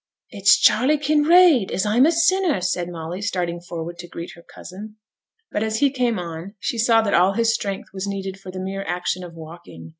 'It's Charley Kinraid, as I'm a sinner!' said Molly, starting forward to greet her cousin. But as he came on, she saw that all his strength was needed for the mere action of walking.